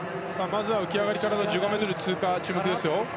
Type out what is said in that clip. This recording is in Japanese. まずは浮き上がりからの１５ｍ通過に注目ですね。